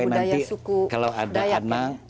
suku dayak kalau ada anak